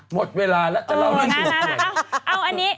หมดเวลาแล้วจะเล่าที่สุดอ่าเอาอันนี้